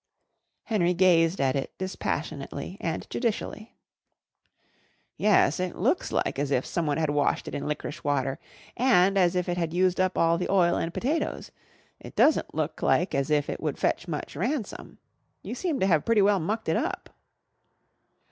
Henry gazed at it dispassionately and judicially. "Yes it looks like as if someone had washed it in licorice water and as if it had used up all the oil and potatoes. It doesn't look like as if it would fetch much ransom. You seem to have pretty well mucked it up."